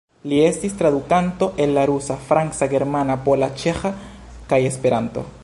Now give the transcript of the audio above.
Li estis tradukanto el la rusa, franca, germana, pola, ĉeĥa kaj Esperanto.